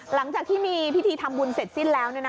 หลังจากที่มีพิธีทำบุญเสร็จสิ้นแล้ว